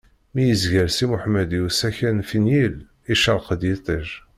Mi yezger Si Mḥemmed i usaka n Finyil, icṛeq-d yiṭij.